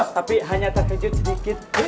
tapi hanya terkejut sedikit